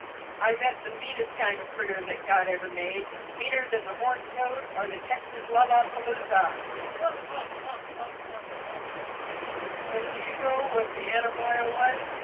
I met the meanest kind of critter that God ever made meaner than the horned toad or the Texas lallapaluza! And do you know what the animile was?